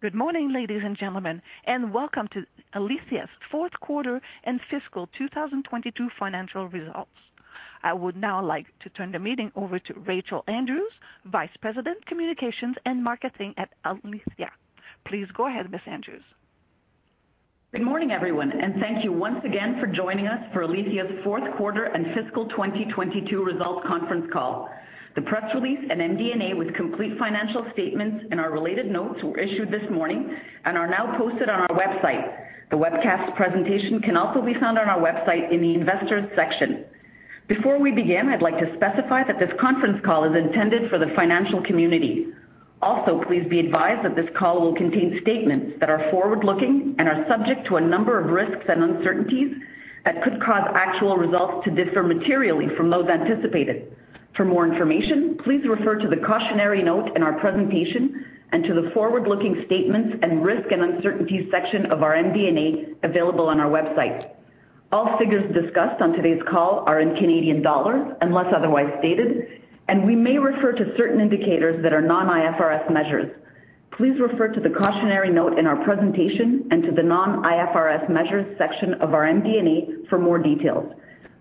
Good morning, ladies and gentlemen, and welcome to Alithya's fourth quarter and fiscal 2022 financial results. I would now like to turn the meeting over to Rachel Andrews, Vice President, Communications and Marketing at Alithya. Please go ahead, Ms. Andrews. Good morning, everyone, and thank you once again for joining us for Alithya's fourth quarter and fiscal 2022 results conference call. The press release and MD&A with complete financial statements and our related notes were issued this morning and are now posted on our website. The webcast presentation can also be found on our website in the Investors section. Before we begin, I'd like to specify that this conference call is intended for the financial community. Please be advised that this call will contain statements that are forward-looking and are subject to a number of risks and uncertainties that could cause actual results to differ materially from those anticipated. For more information, please refer to the cautionary note in our presentation and to the forward-looking statements and risk and uncertainty section of our MD&A available on our website. All figures discussed on today's call are in Canadian dollars unless otherwise stated, and we may refer to certain indicators that are non-IFRS measures. Please refer to the cautionary note in our presentation and to the non-IFRS measures section of our MD&A for more details.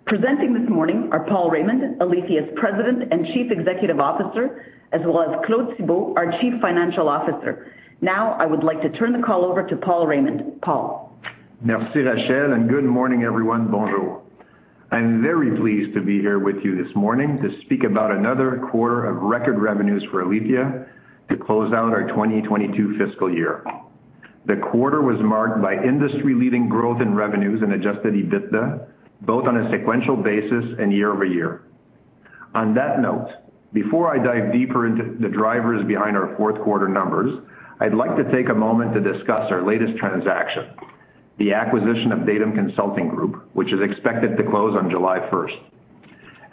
Presenting this morning are Paul Raymond, Alithya's President and Chief Executive Officer, as well as Claude Thibault, our Chief Financial Officer. Now, I would like to turn the call over to Paul Raymond. Paul. Merci, Rachel, and good morning, everyone. Bonjour. I'm very pleased to be here with you this morning to speak about another quarter of record revenues for Alithya to close out our FY 2022. The quarter was marked by industry-leading growth in revenues and adjusted EBITDA, both on a sequential basis and year-over-year. On that note, before I dive deeper into the drivers behind our fourth quarter numbers, I'd like to take a moment to discuss our latest transaction, the acquisition of Datum Consulting Group, which is expected to close on July 1st, 2023.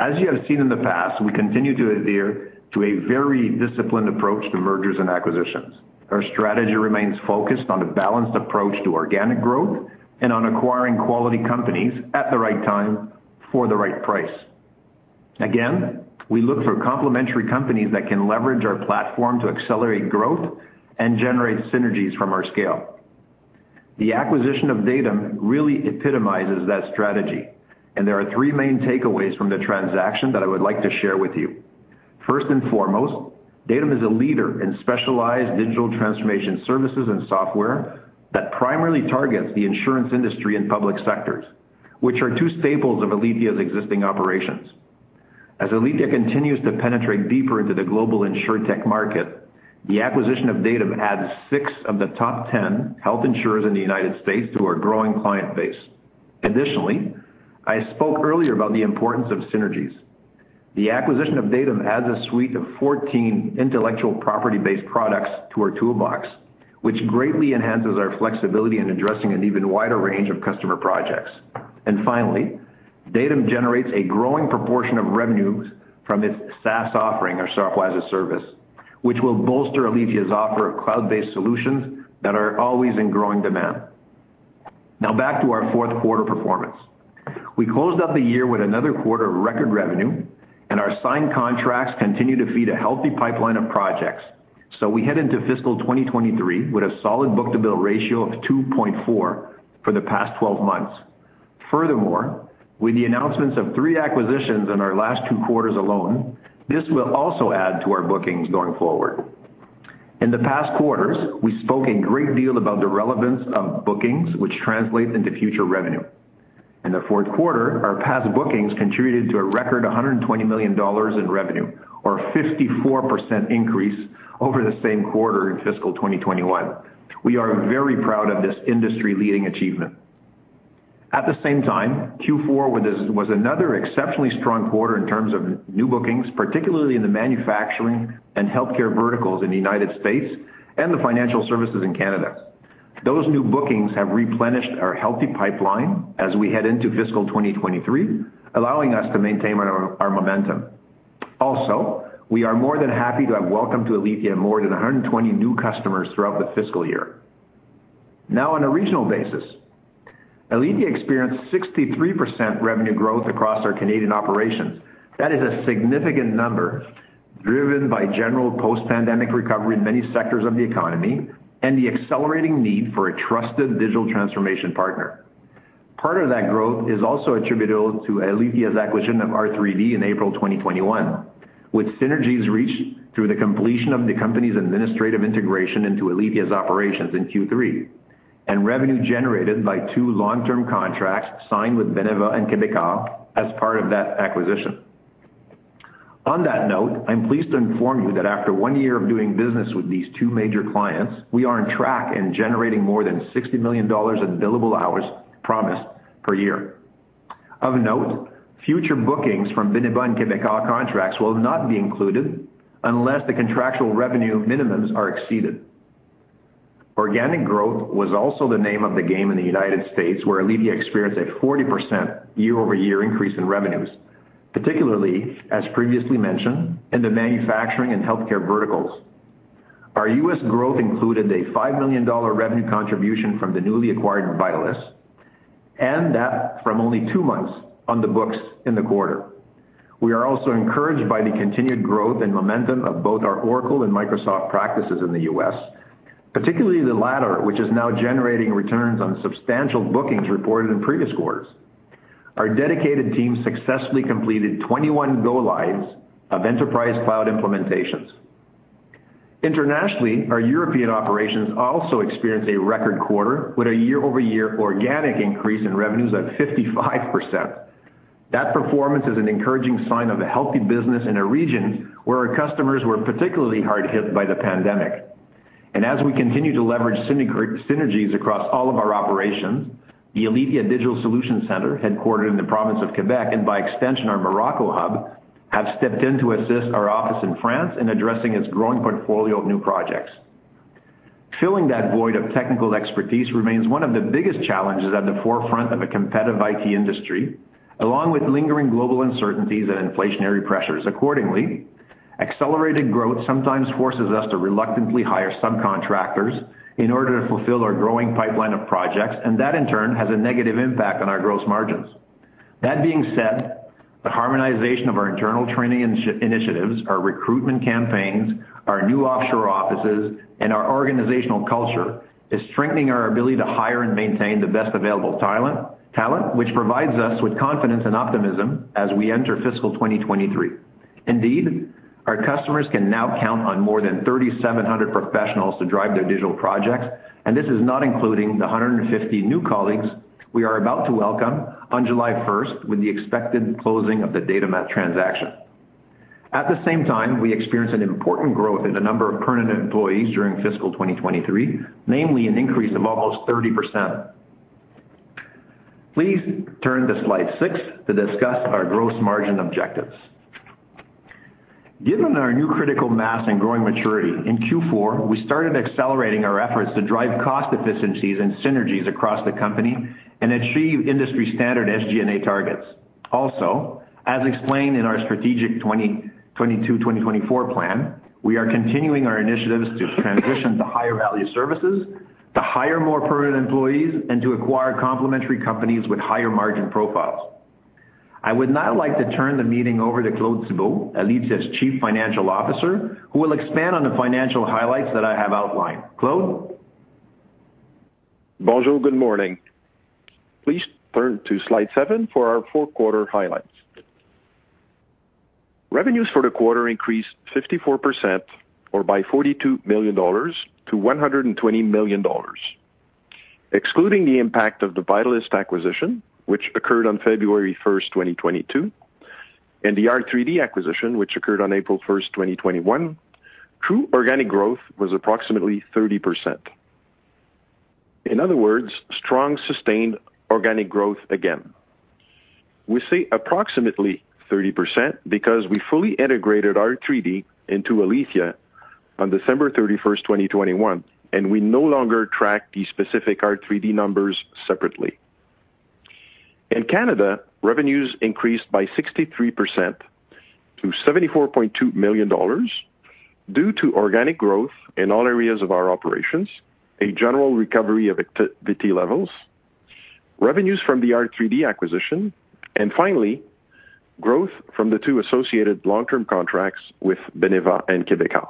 As you have seen in the past, we continue to adhere to a very disciplined approach to mergers and acquisitions. Our strategy remains focused on a balanced approach to organic growth and on acquiring quality companies at the right time for the right price. Again, we look for complementary companies that can leverage our platform to accelerate growth and generate synergies from our scale. The acquisition of Datum really epitomizes that strategy, and there are three main takeaways from the transaction that I would like to share with you. First and foremost, Datum is a leader in specialized digital transformation services and software that primarily targets the insurance industry and public sectors, which are two staples of Alithya's existing operations. As Alithya continues to penetrate deeper into the global insurtech market, the acquisition of Datum adds six of the top 10 health insurers in the United States to our growing client base. Additionally, I spoke earlier about the importance of synergies. The acquisition of Datum adds a suite of 14 intellectual property-based products to our toolbox, which greatly enhances our flexibility in addressing an even wider range of customer projects. Finally, Datum generates a growing proportion of revenues from its SaaS offering or Software as a Service, which will bolster Alithya's offer of cloud-based solutions that are always in growing demand. Now back to our fourth quarter performance. We closed out the year with another quarter of record revenue, and our signed contracts continue to feed a healthy pipeline of projects. We head into fiscal 2023 with a solid book-to-bill ratio of 2.4 for the past 12 months. Furthermore, with the announcements of three acquisitions in our last two quarters alone, this will also add to our bookings going forward. In the past quarters, we spoke a great deal about the relevance of bookings, which translate into future revenue. In the fourth quarter, our past bookings contributed to a record 120 million dollars in revenue or 54% increase over the same quarter in fiscal 2021. We are very proud of this industry-leading achievement. At the same time, Q4 was another exceptionally strong quarter in terms of new bookings, particularly in the manufacturing and healthcare verticals in the United States and the financial services in Canada. Those new bookings have replenished our healthy pipeline as we head into FY 2023, allowing us to maintain our momentum. Also, we are more than happy to have welcomed to Alithya more than 120 new customers throughout the fiscal year. Now on a regional basis, Alithya experienced 63% revenue growth across our Canadian operations. That is a significant number driven by general post-pandemic recovery in many sectors of the economy and the accelerating need for a trusted digital transformation partner. Part of that growth is also attributable to Alithya's acquisition of R3D in April 2021, with synergies reached through the completion of the company's administrative integration into Alithya's operations in Q3 and revenue generated by two long-term contracts signed with Beneva and Québecor as part of that acquisition. On that note, I'm pleased to inform you that after one year of doing business with these two major clients, we are on track in generating more than 60 million dollars in billable hours promised per year. Of note, future bookings from Beneva and Québecor contracts will not be included unless the contractual revenue minimums are exceeded. Organic growth was also the name of the game in the United States, where Alithya experienced a 40% year-over-year increase in revenues, particularly, as previously mentioned, in the manufacturing and healthcare verticals. Our U.S. growth included a $5 million revenue contribution from the newly acquired Vitalyst. That from only two months on the books in the quarter. We are also encouraged by the continued growth and momentum of both our Oracle and Microsoft practices in the U.S., particularly the latter, which is now generating returns on substantial bookings reported in previous quarters. Our dedicated team successfully completed 21 go lives of enterprise cloud implementations. Internationally, our European operations also experienced a record quarter with a year-over-year organic increase in revenues of 55%. That performance is an encouraging sign of a healthy business in a region where our customers were particularly hard hit by the pandemic. As we continue to leverage synergies across all of our operations, the Alithya Digital Solutions Center, headquartered in the province of Québec, and by extension our Morocco hub, have stepped in to assist our office in France in addressing its growing portfolio of new projects. Filling that void of technical expertise remains one of the biggest challenges at the forefront of a competitive IT industry, along with lingering global uncertainties and inflationary pressures. Accordingly, accelerated growth sometimes forces us to reluctantly hire subcontractors in order to fulfill our growing pipeline of projects, and that in turn has a negative impact on our gross margins. That being said, the harmonization of our internal training and sharing initiatives, our recruitment campaigns, our new offshore offices, and our organizational culture is strengthening our ability to hire and maintain the best available talent which provides us with confidence and optimism as we enter FY 2023. Indeed, our customers can now count on more than 3,700 professionals to drive their digital projects, and this is not including the 150 new colleagues we are about to welcome on July 1st, 2023 with the expected closing of the Datum transaction. At the same time, we experienced an important growth in the number of permanent employees during FY 2023, namely an increase of almost 30%. Please turn to slide six to discuss our gross margin objectives. Given our new critical mass and growing maturity, in Q4 we started accelerating our efforts to drive cost efficiencies and synergies across the company and achieve industry standard SG&A targets. Also, as explained in our strategic 2022/2024 plan, we are continuing our initiatives to transition to higher value services, to hire more permanent employees, and to acquire complementary companies with higher margin profiles. I would now like to turn the meeting over to Claude Thibault, Alithya's Chief Financial Officer, who will expand on the financial highlights that I have outlined. Claude? Bonjour, good morning. Please turn to slide seven for our fourth quarter highlights. Revenues for the quarter increased 54% or by 42 million dollars to 120 million dollars. Excluding the impact of the Vitalyst acquisition, which occurred on February 1st, 2022, and the R3D acquisition, which occurred on April 1st, 2021, true organic growth was approximately 30%. In other words, strong, sustained organic growth again. We say approximately 30% because we fully integrated R3D into Alithya on December 31st, 2021, and we no longer track the specific R3D numbers separately. In Canada, revenues increased by 63% to 74.2 million dollars due to organic growth in all areas of our operations, a general recovery of activity levels, revenues from the R3D acquisition, and finally, growth from the two associated long-term contracts with Beneva and Québecor.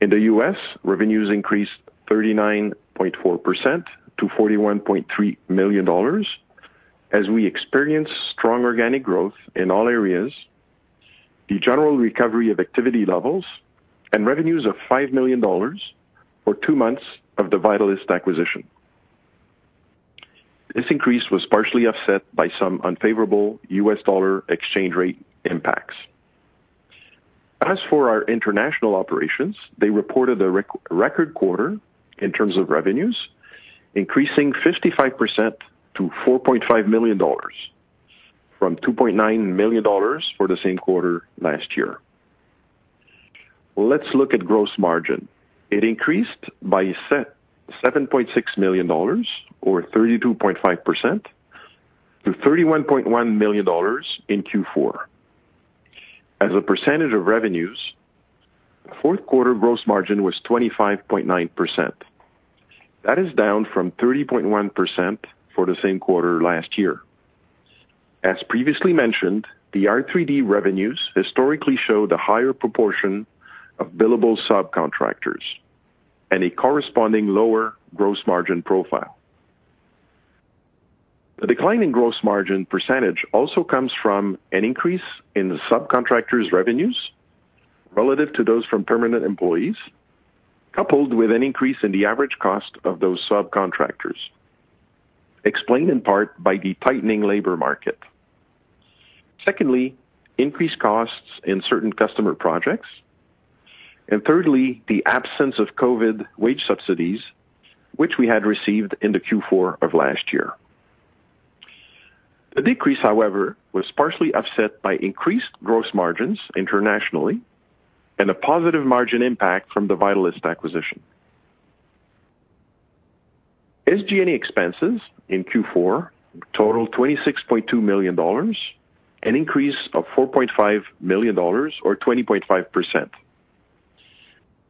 In the U.S., revenues increased 39.4% to $41.3 million as we experienced strong organic growth in all areas, the general recovery of activity levels, and revenues of $5 million for two months of the Vitalyst acquisition. This increase was partially offset by some unfavorable US dollar exchange rate impacts. As for our international operations, they reported a record quarter in terms of revenues, increasing 55% to 4.5 million dollars from 2.9 million dollars for the same quarter last year. Let's look at gross margin. It increased by 7.6 million dollars or 32.5% to 31.1 million dollars in Q4. As a percentage of revenues, fourth quarter gross margin was 25.9%. That is down from 30.1% for the same quarter last year. As previously mentioned, the R3D revenues historically show the higher proportion of billable subcontractors and a corresponding lower gross margin profile. The decline in gross margin percentage also comes from an increase in the subcontractors' revenues relative to those from permanent employees, coupled with an increase in the average cost of those subcontractors, explained in part by the tightening labor market. Secondly, increased costs in certain customer projects. Thirdly, the absence of COVID wage subsidies which we had received in the Q4 of last year. The decrease, however, was partially offset by increased gross margins internationally and a positive margin impact from the Vitalyst acquisition. SG&A expenses in Q4 totaled 26.2 million dollars, an increase of 4.5 million dollars or 20.5%.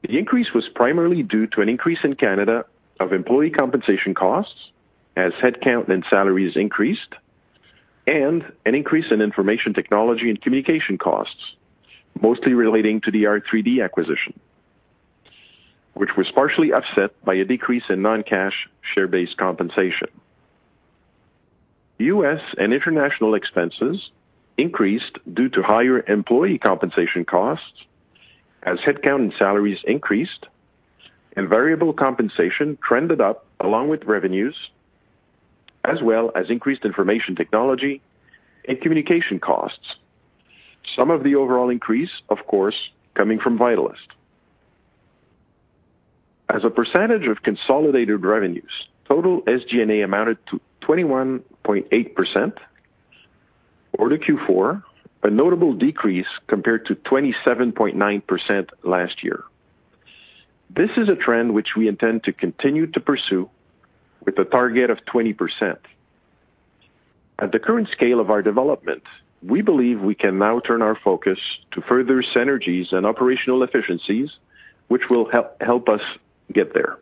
The increase was primarily due to an increase in Canada of employee compensation costs as head count and salaries increased, and an increase in information technology and communication costs, mostly relating to the R3D acquisition, which was partially offset by a decrease in non-cash share-based compensation. U.S. and international expenses increased due to higher employee compensation costs as head count and salaries increased and variable compensation trended up along with revenues, as well as increased information technology and communication costs. Some of the overall increase, of course, coming from Vitalyst. As a percentage of consolidated revenues, total SG&A amounted to 21.8% in Q4, a notable decrease compared to 27.9% last year. This is a trend which we intend to continue to pursue with a target of 20%. At the current scale of our development, we believe we can now turn our focus to further synergies and operational efficiencies, which will help us get there.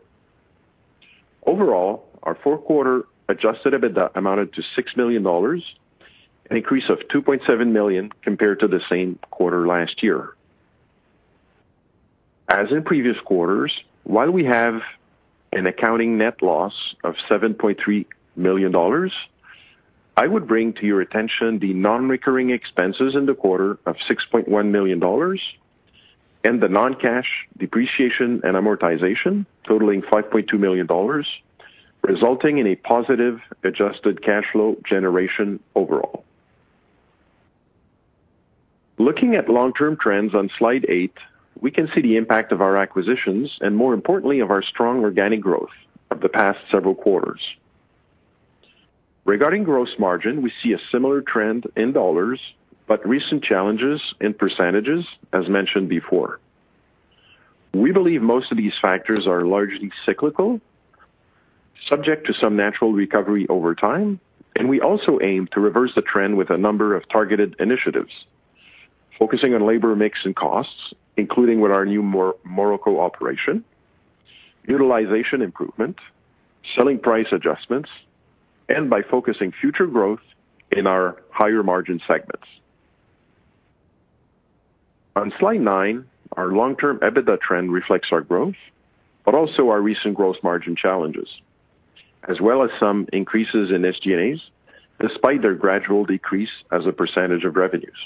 Overall, our fourth quarter adjusted EBITDA amounted to 6 million dollars, an increase of 2.7 million compared to the same quarter last year. As in previous quarters, while we have an accounting net loss of 7.3 million dollars, I would bring to your attention the non-recurring expenses in the quarter of 6.1 million dollars and the non-cash depreciation and amortization totaling 5.2 million dollars, resulting in a positive adjusted cash flow generation overall. Looking at long-term trends on slide eight, we can see the impact of our acquisitions and more importantly of our strong organic growth of the past several quarters. Regarding gross margin, we see a similar trend in dollars, but recent challenges in percentages as mentioned before. We believe most of these factors are largely cyclical, subject to some natural recovery over time, and we also aim to reverse the trend with a number of targeted initiatives focusing on labor mix and costs, including with our new Morocco operation, utilization improvement, selling price adjustments, and by focusing future growth in our higher margin segments. On slide nine, our long-term EBITDA trend reflects our growth, but also our recent gross margin challenges, as well as some increases in SG&A, despite their gradual decrease as a percentage of revenues.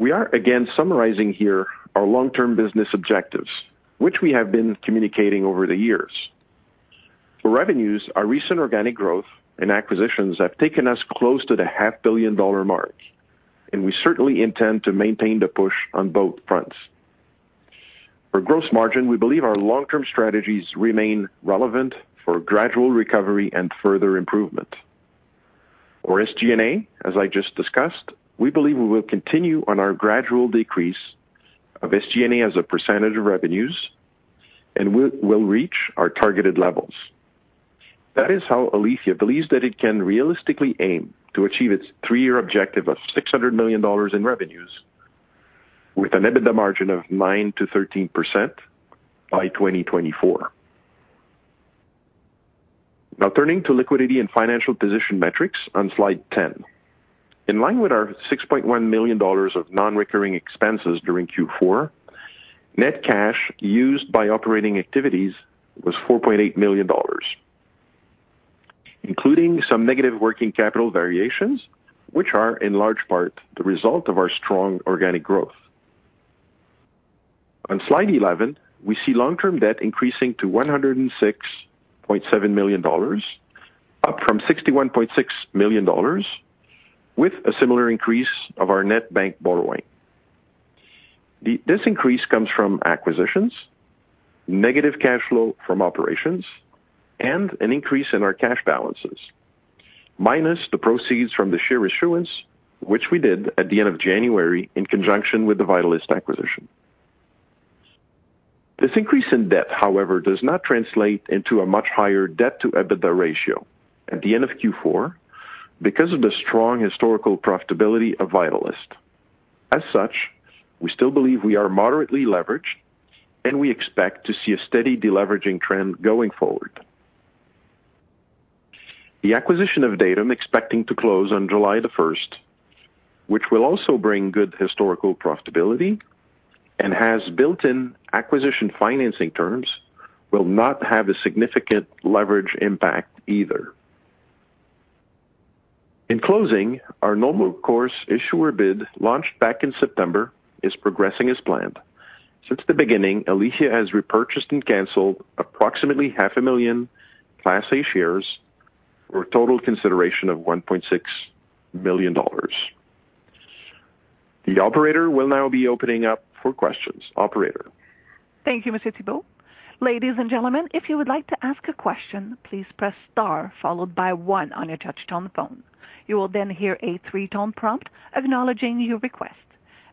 We are again summarizing here our long-term business objectives, which we have been communicating over the years. For revenues, our recent organic growth and acquisitions have taken us close to the CAD half billion dollar mark, and we certainly intend to maintain the push on both fronts. For gross margin, we believe our long-term strategies remain relevant for gradual recovery and further improvement. For SG&A, as I just discussed, we believe we will continue on our gradual decrease of SG&A as a percentage of revenues and we will reach our targeted levels. That is how Alithya believes that it can realistically aim to achieve its three year objective of 600 million dollars in revenues with an EBITDA margin of 9% to 13% by 2024. Now turning to liquidity and financial position metrics on slide 10. In line with our 6.1 million dollars of non-recurring expenses during Q4, net cash used by operating activities was 4.8 million dollars, including some negative working capital variations, which are in large part the result of our strong organic growth. On slide 11, we see long-term debt increasing to 106.7 million dollars, up from 61.6 million dollars with a similar increase of our net bank borrowing. This increase comes from acquisitions, negative cash flow from operations, and an increase in our cash balances, minus the proceeds from the share issuance, which we did at the end of January in conjunction with the Vitalyst acquisition. This increase in debt, however, does not translate into a much higher debt to EBITDA ratio at the end of Q4 because of the strong historical profitability of Vitalyst. As such, we still believe we are moderately leveraged, and we expect to see a steady de-leveraging trend going forward. The acquisition of Datum, expecting to close on July 1st, 2023, which will also bring good historical profitability and has built-in acquisition financing terms, will not have a significant leverage impact either. In closing, our normal course issuer bid, launched back in September, is progressing as planned. Since the beginning, Alithya has repurchased and canceled approximately 500,000 Class A shares for a total consideration of 1.6 million dollars. The operator will now be opening up for questions. Operator? Thank you, Mr. Thibault. Ladies and gentlemen, if you would like to ask a question, please press star followed by one on your touchtone phone. You will then hear a three-tone prompt acknowledging your request.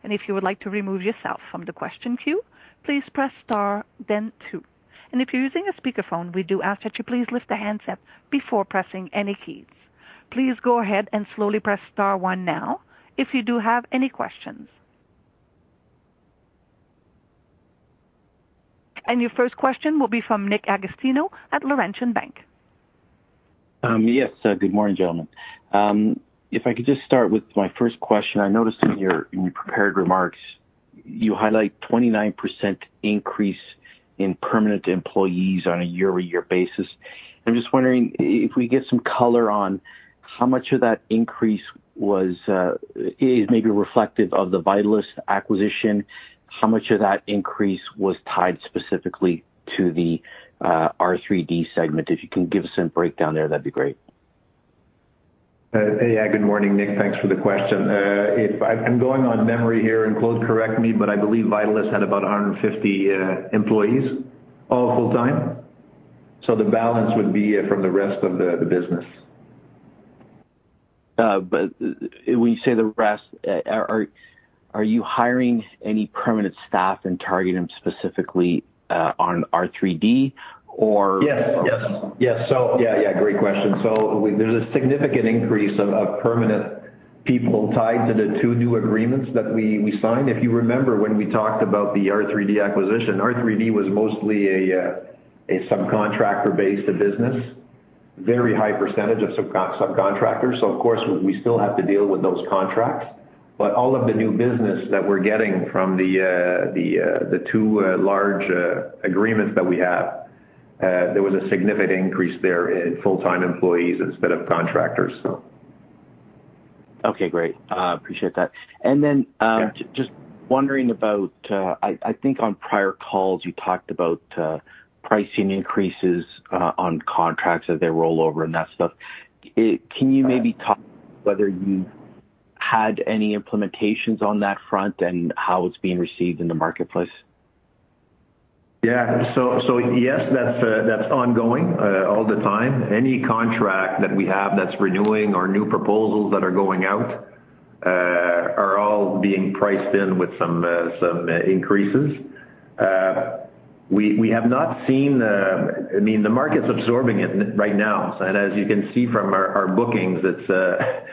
If you would like to remove yourself from the question queue, please press star, then two. If you're using a speakerphone, we do ask that you please lift the handset before pressing any keys. Please go ahead and slowly press star one now if you do have any questions. Your first question will be from Nick Agostino at Laurentian Bank Securities. Yes. Good morning, gentlemen. If I could just start with my first question. I noticed in your prepared remarks, you highlight 29% increase in permanent employees on a year-over-year basis. I'm just wondering if we get some color on how much of that increase was is maybe reflective of the Vitalyst acquisition? How much of that increase was tied specifically to the R3D segment? If you can give us some breakdown there, that'd be great. Good morning, Nick. Thanks for the question. I'm going on memory here, and Claude, correct me, but I believe Vitalyst had about 150 employees, all full-time. The balance would be from the rest of the business. When you say the rest, are you hiring any permanent staff and targeting specifically on R3D or- Yeah, great question. There's a significant increase of permanent people tied to the two new agreements that we signed. If you remember when we talked about the R3D acquisition, R3D was mostly a subcontractor-based business, very high percentage of subcontractors. Of course, we still have to deal with those contracts. But all of the new business that we're getting from the two large agreements that we have, there was a significant increase there in full-time employees instead of contractors. Okay, great. Appreciate that. Yeah. Just wondering about, I think on prior calls you talked about, pricing increases on contracts as they roll over and that stuff. Can you maybe talk whether you've had any implementations on that front and how it's being received in the marketplace? Yeah. Yes, that's ongoing all the time. Any contract that we have that's renewing or new proposals that are going out are all being priced in with some increases. We have not seen. I mean, the market's absorbing it right now. And as you can see from our bookings, it's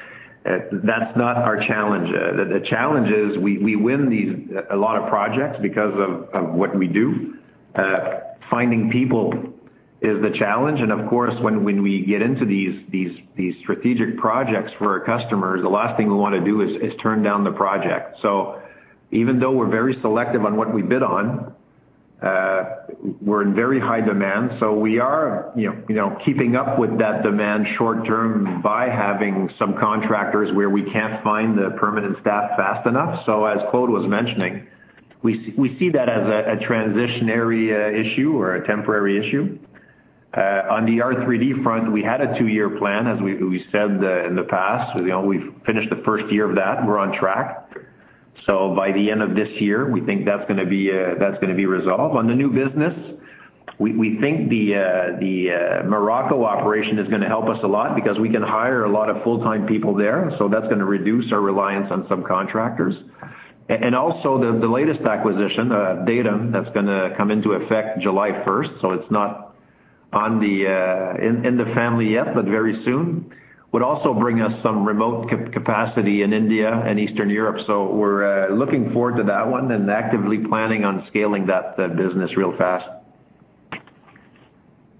not our challenge. The challenge is we win a lot of projects because of what we do. Finding people is the challenge. Of course, when we get into these strategic projects for our customers, the last thing we wanna do is turn down the project. Even though we're very selective on what we bid on, we're in very high demand. We are, you know, keeping up with that demand short term by having some contractors where we can't find the permanent staff fast enough. As Claude was mentioning, we see that as a transitory issue or a temporary issue. On the R3D front, we had a two-year plan, as we said in the past. You know, we've finished the first year of that. We're on track. By the end of this year, we think that's gonna be resolved. On the new business, we think the Morocco operation is gonna help us a lot because we can hire a lot of full-time people there, so that's gonna reduce our reliance on subcontractors. Also the latest acquisition, Datum, that's gonna come into effect July 1st, 2023, so it's not in the family yet, but very soon, would also bring us some remote capacity in India and Eastern Europe. We're looking forward to that one and actively planning on scaling that business real fast.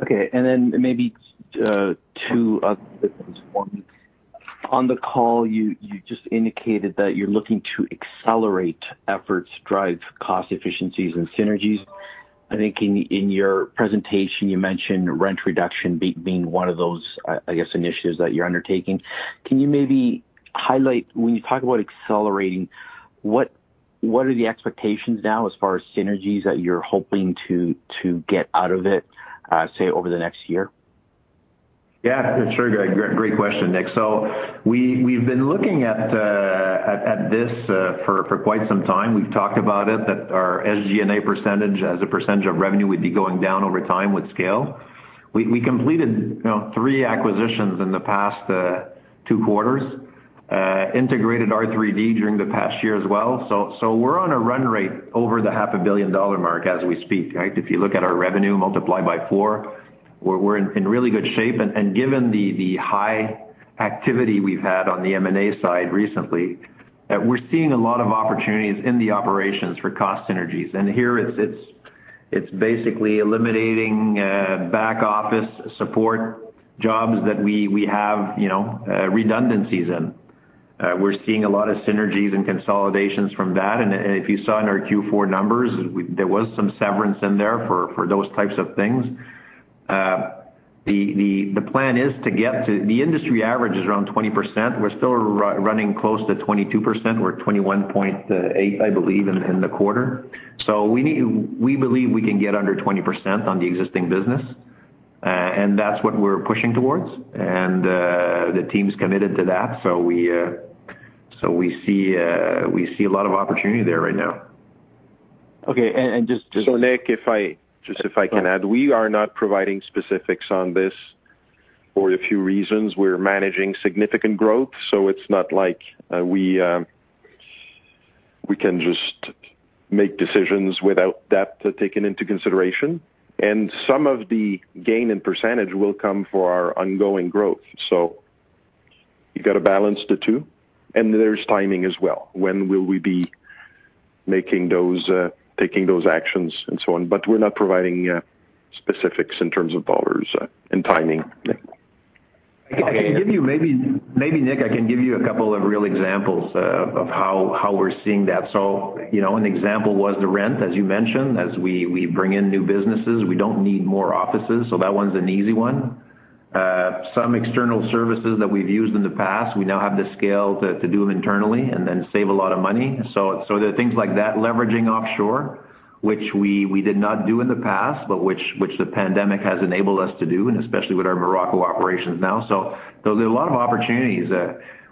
Okay. Then maybe two other things for me. On the call, you just indicated that you're looking to accelerate efforts, drive cost efficiencies and synergies. I think in your presentation you mentioned rent reduction being one of those, I guess, initiatives that you're undertaking. Can you maybe highlight when you talk about accelerating, what are the expectations now as far as synergies that you're hoping to get out of it, say over the next year? Yeah, sure. Great question, Nick. We've been looking at this for quite some time. We've talked about it, that our SG&A percentage as a percentage of revenue would be going down over time with scale. We completed, you know, three acquisitions in the past two quarters, integrated R3D during the past year as well. We're on a run rate over the half a billion dollar mark as we speak, right? If you look at our revenue multiplied by four, we're in really good shape. Given the high activity we've had on the M&A side recently, we're seeing a lot of opportunities in the operations for cost synergies. Here it's basically eliminating back office support jobs that we have, you know, redundancies in. We're seeing a lot of synergies and consolidations from that. If you saw in our Q4 numbers, there was some severance in there for those types of things. The plan is to get to the industry average, which is around 20%. We're still running close to 22%. We're at 21.8%, I believe, in the quarter. We believe we can get under 20% on the existing business, and that's what we're pushing towards. The team's committed to that. We see a lot of opportunity there right now. Okay. Nick, just if I can add, we are not providing specifics on this for a few reasons. We're managing significant growth, so it's not like, we We can just make decisions without that taken into consideration. Some of the gain in percentage will come for our ongoing growth. You've got to balance the two, and there's timing as well. When will we be making those, taking those actions and so on? We're not providing specifics in terms of dollars, and timing. Yeah. I can give you Maybe Nick, I can give you a couple of real examples of how we're seeing that. You know, an example was the rent, as you mentioned. As we bring in new businesses, we don't need more offices, so that one's an easy one. Some external services that we've used in the past, we now have the scale to do them internally and then save a lot of money. So there are things like that, leveraging offshore, which we did not do in the past, but which the pandemic has enabled us to do, and especially with our Morocco operations now. There are a lot of opportunities,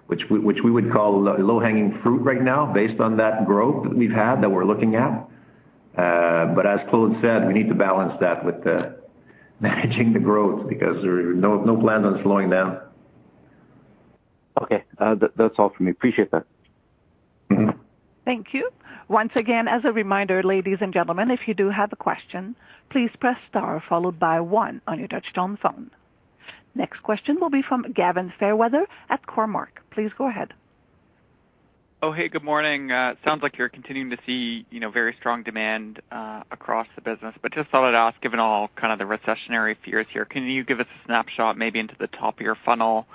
which we would call low-hanging fruit right now based on that growth that we've had, that we're looking at. As Claude said, we need to balance that with managing the growth because there are no plans on slowing down. Okay. That's all from me. Appreciate that. Mm-hmm. Thank you. Once again, as a reminder, ladies and gentlemen, if you do have a question, please press star followed by one on your touchtone phone. Next question will be from Gavin Fairweather at Cormark. Please go ahead. Oh, hey, good morning. It sounds like you're continuing to see, you know, very strong demand across the business. Just thought I'd ask, given all kind of the recessionary fears here, can you give us a snapshot maybe into the top of your funnel?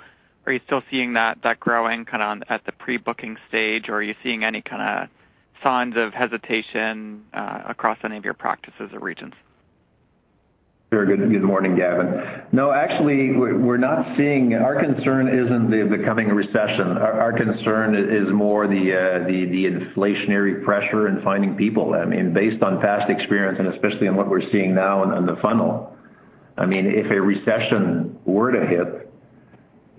Are you still seeing that growing kind of at the pre-booking stage, or are you seeing any kinda signs of hesitation across any of your practices or regions? Very good. Good morning, Gavin. No, actually we're not seeing. Our concern isn't the coming recession. Our concern is more the inflationary pressure in finding people. I mean, based on past experience and especially on what we're seeing now in the funnel, I mean, if a recession were to hit,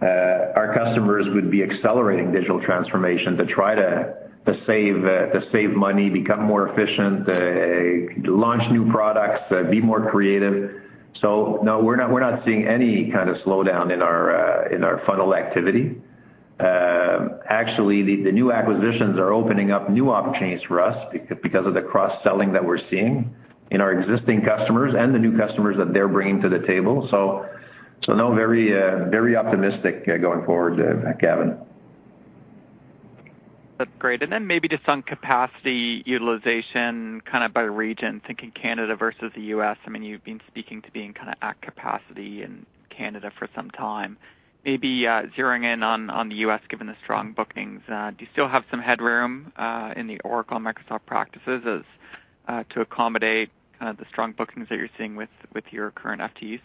our customers would be accelerating digital transformation to try to save money, become more efficient, launch new products, be more creative. So no, we're not seeing any kind of slowdown in our funnel activity. Actually, the new acquisitions are opening up new opportunities for us because of the cross-selling that we're seeing in our existing customers and the new customers that they're bringing to the table. So no, very optimistic going forward, Gavin. That's great. Maybe just on capacity utilization kind of by region, thinking Canada versus the U.S. I mean, you've been speaking to being kind of at capacity in Canada for some time. Maybe zeroing in on the U.S., given the strong bookings, do you still have some headroom in the Oracle and Microsoft practices as to accommodate the strong bookings that you're seeing with your current FTEs?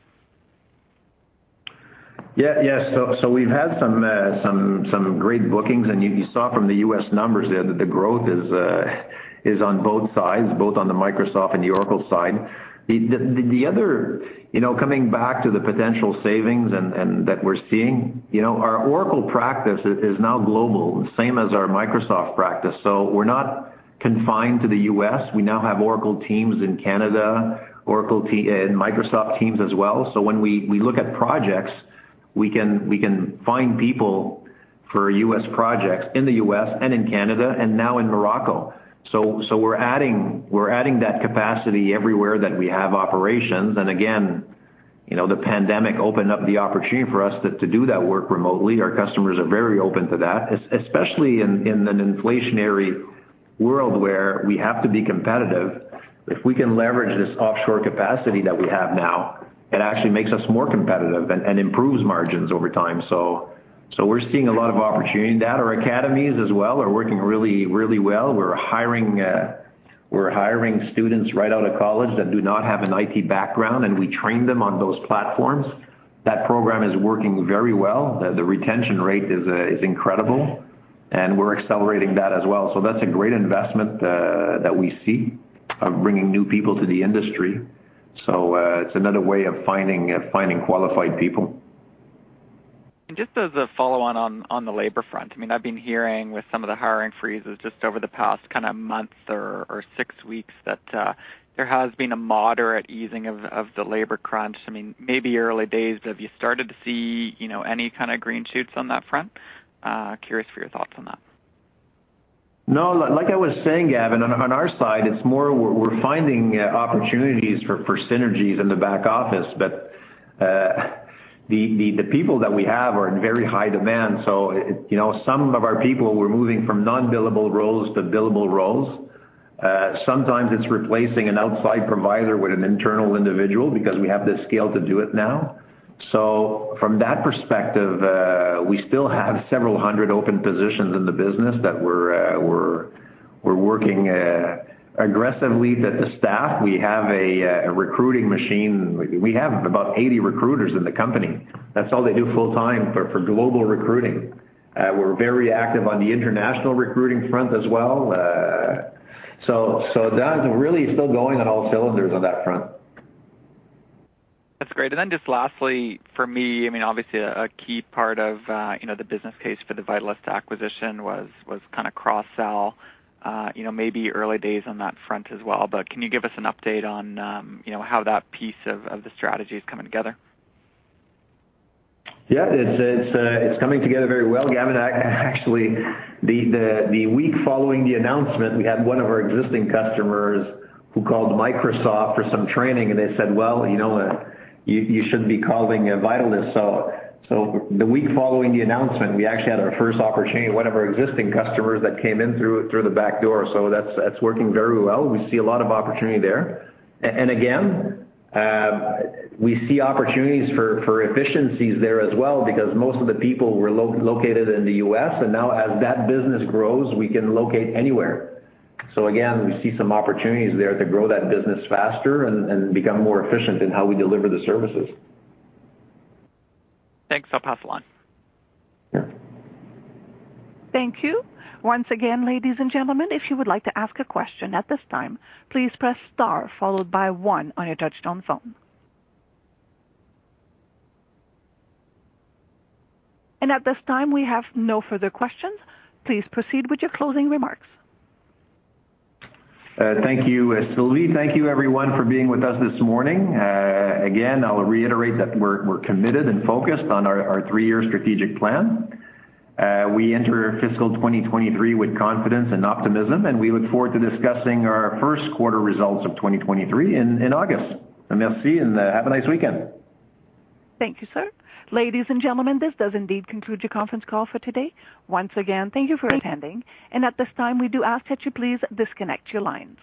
Yes, we've had some great bookings. You saw from the U.S. numbers there that the growth is on both sides, both on the Microsoft and the Oracle side. The other, you know, coming back to the potential savings and that we're seeing, you know, our Oracle practice is now global, same as our Microsoft practice. We're not confined to the U.S. We now have Oracle teams in Canada and Microsoft teams as well. When we look at projects, we can find people for U.S. projects in the U.S. and in Canada and now in Morocco. We're adding that capacity everywhere that we have operations. Again, you know, the pandemic opened up the opportunity for us to do that work remotely. Our customers are very open to that, especially in an inflationary world where we have to be competitive. If we can leverage this offshore capacity that we have now, it actually makes us more competitive and improves margins over time. We're seeing a lot of opportunity in that. Our academies as well are working really well. We're hiring students right out of college that do not have an IT background, and we train them on those platforms. That program is working very well. The retention rate is incredible, and we're accelerating that as well. That's a great investment that we see of bringing new people to the industry. It's another way of finding qualified people. Just as a follow-on on the labor front, I mean, I've been hearing with some of the hiring freezes just over the past kind of month or six weeks that there has been a moderate easing of the labor crunch. I mean, maybe early days, but have you started to see, you know, any kind of green shoots on that front? Curious for your thoughts on that. No, like I was saying, Gavin, on our side, it's more we're finding opportunities for synergies in the back office. But the people that we have are in very high demand. So, you know, some of our people, we're moving from non-billable roles to billable roles. Sometimes it's replacing an outside provider with an internal individual because we have the scale to do it now. So from that perspective, we still have several hundred open positions in the business that we're working aggressively to staff. We have a recruiting machine. We have about 80 recruiters in the company. That's all they do full-time for global recruiting. We're very active on the international recruiting front as well. So that's really still going on all cylinders on that front. That's great. Just lastly, for me, I mean, obviously a key part of, you know, the business case for the Vitalyst acquisition was kinda cross-sell. You know, maybe early days on that front as well, but can you give us an update on, you know, how that piece of the strategy is coming together? Yeah. It's coming together very well, Gavin. Actually, the week following the announcement, we had one of our existing customers who called Microsoft for some training, and they said, "Well, you know, you should be calling Vitalyst." The week following the announcement, we actually had our first opportunity, one of our existing customers that came in through the back door. That's working very well. We see a lot of opportunity there. Again, we see opportunities for efficiencies there as well because most of the people were located in the US, and now as that business grows, we can locate anywhere. Again, we see some opportunities there to grow that business faster and become more efficient in how we deliver the services. Thanks. I'll pass along. Sure. Thank you. Once again, ladies and gentlemen, if you would like to ask a question at this time, please press star followed by one on your touch-tone phone. At this time, we have no further questions. Please proceed with your closing remarks. Thank you, Sylvie. Thank you everyone for being with us this morning. Again, I'll reiterate that we're committed and focused on our three-year strategic plan. We enter FY 2023 with confidence and optimism, and we look forward to discussing our first quarter results of 2023 in August. Merci, and have a nice weekend. Thank you, sir. Ladies and gentlemen, this does indeed conclude your conference call for today. Once again, thank you for attending. At this time, we do ask that you please disconnect your lines.